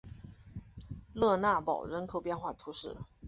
勒讷堡人口变化图示